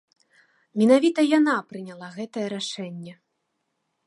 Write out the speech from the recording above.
Менавіта яна прыняла гэтае рашэнне.